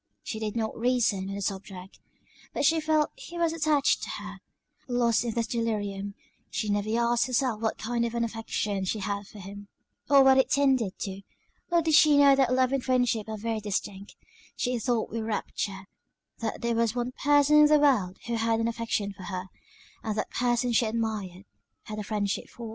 She did not reason on the subject; but she felt he was attached to her: lost in this delirium, she never asked herself what kind of an affection she had for him, or what it tended to; nor did she know that love and friendship are very distinct; she thought with rapture, that there was one person in the world who had an affection for her, and that person she admired had a friendship for.